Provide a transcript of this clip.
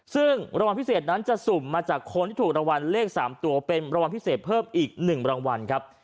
ซึ่งรางวัลพิเศษนั้นจะสุ่มมาจากคนที่ถูกรางวัลเลข๓ตัวเป็นรางวัลพิเศษเพิ่มอีก๑รางวัลครับ